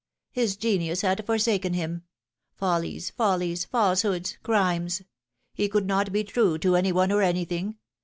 His genius had forsaken him. Follies, follies, falsehoods, crimes. He could not be true to any one or anything.